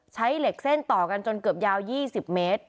ใช้เหล็กเส้นต่อกันจนเกือบยาว๒๐เมตร